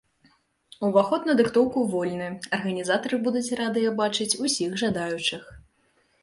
Уваход на дыктоўку вольны, арганізатары будуць радыя бачыць усіх жадаючых.